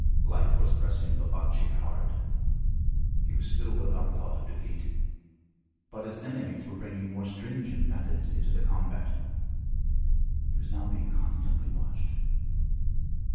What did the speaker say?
Life was pressing Babanchik hard. He was still without thought of defeat. But his enemies were bringing more stringent methods into the combat; he was now being constantly watched.